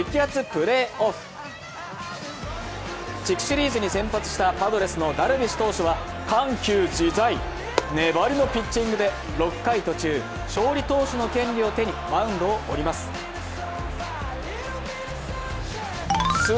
プレーオフ。地区シリーズに先発したパドレスのダルビッシュ投手は緩急自在、粘りのピッチングで６回途中、勝利投手の権利を手にマウンドを降ります。